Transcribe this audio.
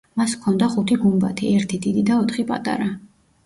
მას ჰქონდა ხუთი გუმბათი: ერთი დიდი და ოთხი პატარა.